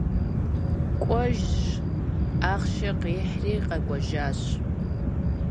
КӀуэжщ, ахъшэ къихьри къэкӀуэжащ.